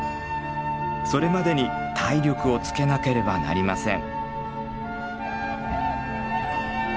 それまでに体力をつけなければなりません。